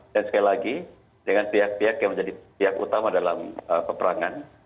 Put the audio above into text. dan sekali lagi dengan pihak pihak yang menjadi pihak utama dalam peperangan